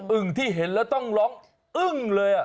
ึ่งที่เห็นแล้วต้องร้องอึ้งเลย